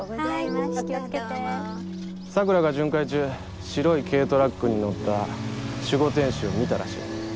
桜が巡回中白い軽トラックに乗った守護天使を見たらしい。